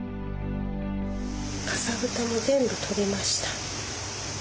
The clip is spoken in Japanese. かさぶたも全部取れました。